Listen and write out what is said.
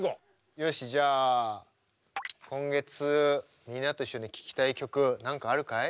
よしじゃあ今月みんなと一緒に聴きたい曲何かあるかい？